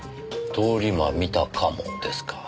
「通り魔見たかも」ですか。